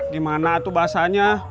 dimana itu bahasanya